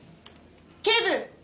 警部！